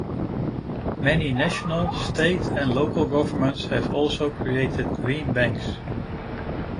Many national, state, and local governments have also created green banks.